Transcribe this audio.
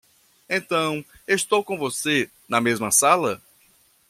Então estou com você na mesma sala?